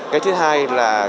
cái thứ hai là